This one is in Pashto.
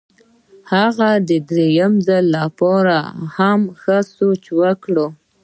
هغه د درېیم ځل لپاره هم ښه سوچ وکړ.